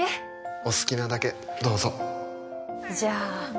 お好きなだけどうぞじゃ